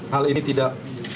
hal ini tidak